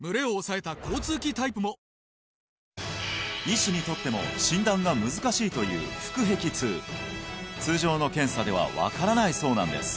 医師にとっても診断が難しいという腹壁痛通常の検査では分からないそうなんです